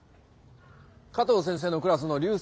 加藤先生のクラスの流星。